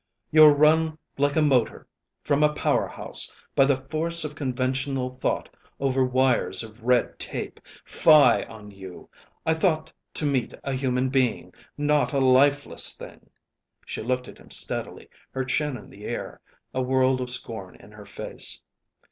You're run like a motor, from a power house; by the force of conventional thought, over wires of red tape. Fie on you! I thought to meet a human being, not a lifeless thing." She looked at him steadily, her chin in the air, a world of scorn in her face.